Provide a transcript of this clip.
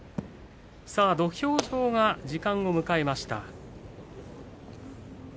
土俵上が時間を迎えました。